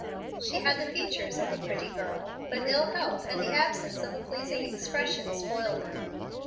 She had the features of a pretty girl, but ill health and the absence of a pleasing expression spoiled them.